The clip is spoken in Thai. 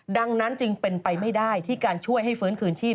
ดังนั้นจึงเป็นไปไม่ได้ที่การช่วยให้ฟื้นคืนชีพ